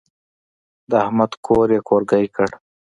د احمد کور يې کورګی کړ.